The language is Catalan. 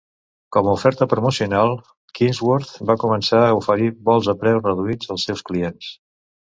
Com a oferta promocional, Quinnsworth va començar a oferir vols a preu reduït als seus clients.